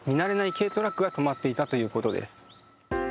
軽トラックが止まっていたということです。